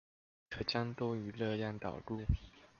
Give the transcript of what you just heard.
可將多餘熱量導入